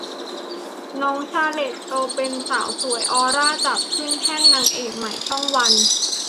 น้องชาร์เลท โตเป็นสาวสวย ออร่าจับ ขึ้นแท่นนางเอกใหม่ช่องวัน